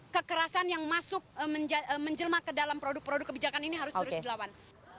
kekerasan yang masuk menjelma ke dalam produk produk kebijakan ini harus terus dilawan